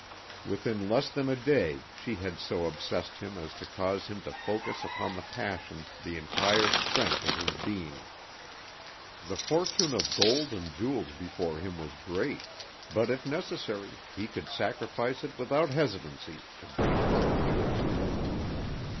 Within less than a day she had so obsessed him as to cause him to focus upon the passion the entire strength of his being. The fortune of gold and jewels before him was great, but if necessary he could sacrifice it without hesitancy to bring her nearer to him.